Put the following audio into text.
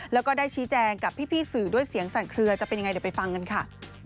แล้วก็ได้ชี้แจงกับพี่สื่อด้วยเสียงสั่นเคลือจะเป็นยังไงเดี๋ยวไปฟังกันค่ะ